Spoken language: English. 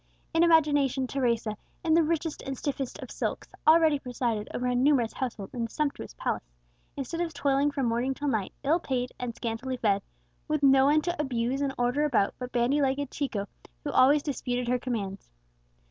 In imagination Teresa, in the richest and stiffest of silks, already presided over a numerous household in a sumptuous palace, instead of toiling from morning till night, ill paid and scantily fed, with no one to abuse and order about but bandy legged Chico, who always disputed her commands.